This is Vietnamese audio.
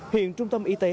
hiện trung tâm y tế